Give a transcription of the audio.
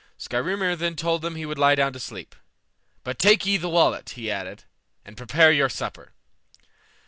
Skrymir then told them he would lie down to sleep. "But take ye the wallet," he added, "and prepare your supper."